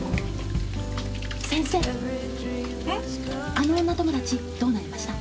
あの女友達どうなりました？